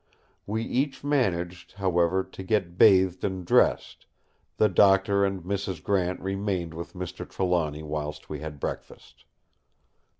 We each managed, however, to get bathed and dressed; the Doctor and Mrs. Grant remained with Mr. Trelawny whilst we had breakfast.